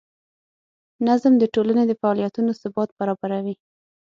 نظم د ټولنې د فعالیتونو ثبات برابروي.